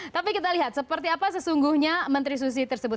tapi kita lihat seperti apa sesungguhnya menteri susi tersebut